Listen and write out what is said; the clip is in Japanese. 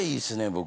僕。